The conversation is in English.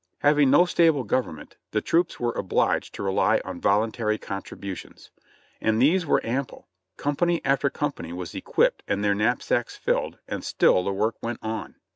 Having no stable government, the troops were obliged to rely on voluntary contributions. And these were ample ; company after company was equipped and their knapsacks filled, and still the work w'cnt on.